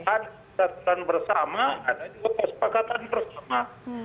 ada persatuan bersama ada juga persepakatan bersama